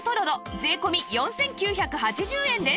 税込４９８０円です